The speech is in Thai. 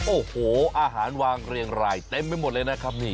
โอ้โหอาหารวางเรียงรายเต็มไปหมดเลยนะครับนี่